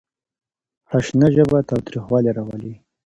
خشنه ژبه تاوتريخوالی راولي.